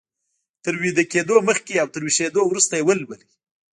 تر ويده کېدو مخکې او تر ويښېدو وروسته يې ولولئ.